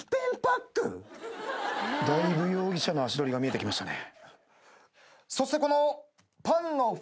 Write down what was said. だいぶ容疑者の足取りが見えてきましたね。